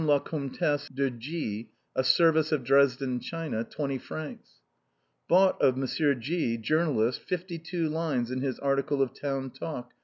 la Comtesse de G a service of Dresden china. 20 fr. " Bought of M. G , journalist, fifty two lines in his article of town talk.